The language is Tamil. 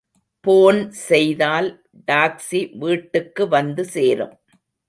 போன் செய்தால் டாக்சி வீட்டுக்கு வந்து சேரும்.